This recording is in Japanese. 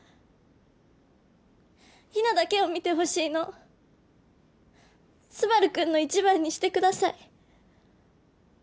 ヒナだけを見てほしいのスバルくんの一番にしてください